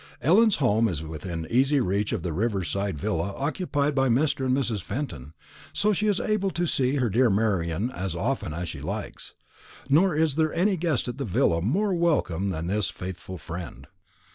Ellen's home is within easy reach of the river side villa occupied by Mr. and Mrs. Fenton; so she is able to see her dear Marian as often as she likes; nor is there any guest at the villa more welcome than this faithful friend.